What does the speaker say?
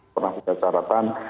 pernah kita carakan